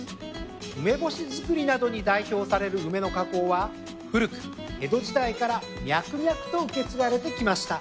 梅干し作りなどに代表される梅の加工は古く江戸時代から脈々と受け継がれてきました。